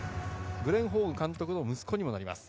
グレン・ホーグ監督の息子にもなります。